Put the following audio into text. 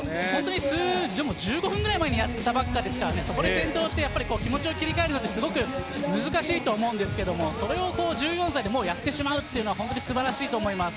１５分ぐらい前にやったばっかですからね、そこで転倒して気持ちを切り替えるまで、すごく難しいと思うんですけど、１４歳で、もうやってしまおうというのは素晴らしいと思います。